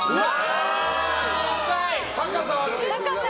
高さある！